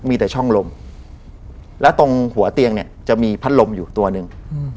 มีแต่ช่องลมแล้วตรงหัวเตียงเนี่ยจะมีพัดลมอยู่ตัวหนึ่ง